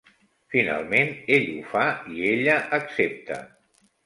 Finalment ell ho fa i ella accepta.